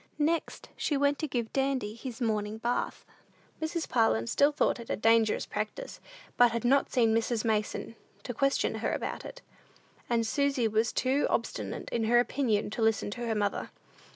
Next, she went to give Dandy his morning bath. Mrs. Parlin still thought it a dangerous practice, but had not seen Mrs. Mason, to question her about it, and Susy was too obstinate in her opinion to listen to her mother.